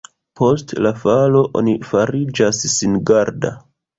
Post la falo oni fariĝas singarda.